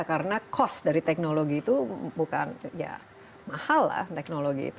karena cost dari teknologi itu bukan ya mahal lah teknologi itu